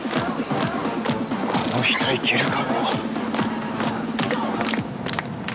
あの人いけるかも。